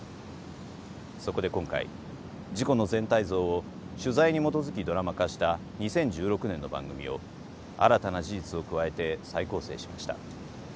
そこで今回事故の全体像を取材に基づきドラマ化した２０１６年の番組を新たな事実を加えて再構成しました。